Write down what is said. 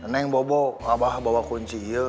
neng bobo abah bawa kunci hil